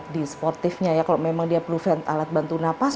di sportifnya ya kalau memang dia perlu alat bantu nafas